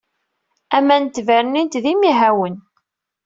Aman n tbernint d imihawen.